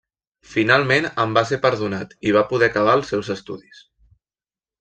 Finalment en va ser perdonat i va poder acabar els seus estudis.